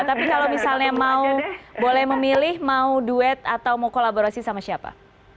tapi kalau misalnya mau boleh memilih mau duet atau mau kolaborasi sama siapa